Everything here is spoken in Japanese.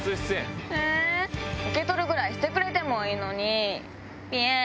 受け取るぐらいしてくれてもいいのに！